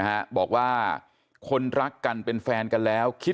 ลาออกจากหัวหน้าพรรคเพื่อไทยอย่างเดียวเนี่ย